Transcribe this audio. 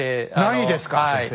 ないですか先生。